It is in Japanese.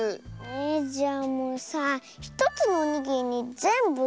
えじゃあもうさ１つのおにぎりにぜんぶ